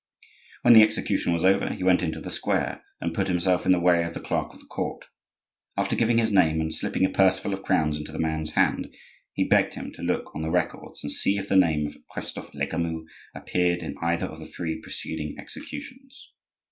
When the execution was over he went into the square and put himself in the way of the clerk of the court. After giving his name, and slipping a purse full of crowns into the man's hand, he begged him to look on the records and see if the name of Christophe Lecamus appeared in either of the three preceding executions.